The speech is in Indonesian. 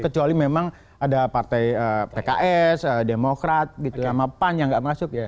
kecuali memang ada partai pks demokrat gitu sama pan yang nggak masuk ya